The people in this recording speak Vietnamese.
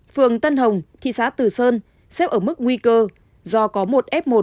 phường tân hồng thị xã từ sơn xếp ở mức nguy cơ do có một f một